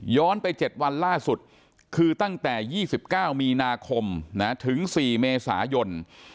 ไป๗วันล่าสุดคือตั้งแต่๒๙มีนาคมถึง๔เมษายน